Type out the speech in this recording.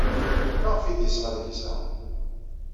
Maɣef ay d-yesɣa adlis-a?